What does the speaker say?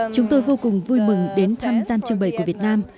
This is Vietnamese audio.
chúng tôi vô cùng vui mừng đến thăm gian trưng bày của việt nam